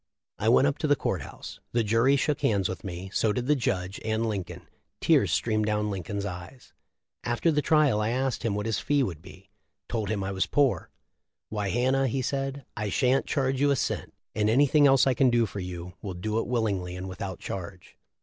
I went up to the court house. The jury shook hands with me ; so did the judge and Lincoln; tears streamed down Lincoln's eyes .... After the trial I asked him * J. Henry Shaw, letter, Aug. 22, 1866, MS. THE LIFE OF LIXCOLN. 359 what his fee would be ; told him I was poor. 'Why, Hannah,' he said, 'I sha'n't charge you a cent, and anything else I can do for you, will do it willingly and without charge.'